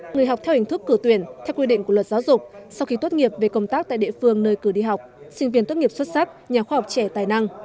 người học theo hình thức cử tuyển theo quy định của luật giáo dục sau khi tốt nghiệp về công tác tại địa phương nơi cử đi học sinh viên tốt nghiệp xuất sắc nhà khoa học trẻ tài năng